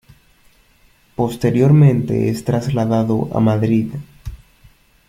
Posteriormente es trasladado a Madrid.